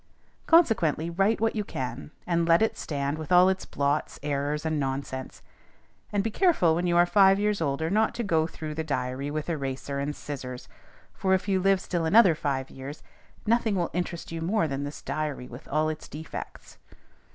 Consequently, write what you can, and let it stand with all its blots, errors, and nonsense. And be careful, when you are five years older, not to go through the diary with eraser and scissors; for, if you live still another five years, nothing will interest you more than this diary with all its defects.